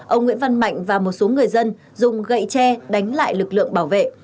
ông nguyễn văn mạnh và một số người dân dùng gậy tre đánh lại lực lượng bảo vệ